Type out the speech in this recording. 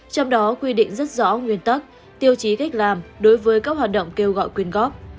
trong đó quy định rất rõ nguyên tắc tiêu chí cách làm đối với các hoạt động kêu gọi quyên góp